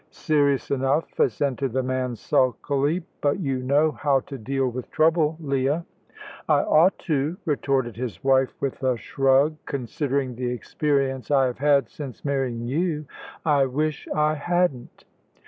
"Serious enough," assented the man, sulkily; "but you know how to deal with trouble, Leah." "I ought to," retorted his wife, with a shrug, "considering the experience I have had since marrying you. I wish I hadn't."